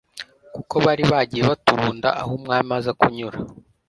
kuko bari bagiye baturunda aho umwami aza kunyura